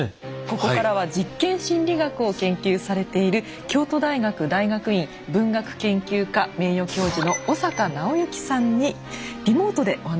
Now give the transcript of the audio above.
ここからは実験心理学を研究されている京都大学大学院文学研究科名誉教授の苧阪直行さんにリモートでお話を伺います。